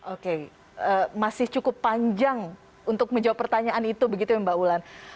oke masih cukup panjang untuk menjawab pertanyaan itu begitu ya mbak ulan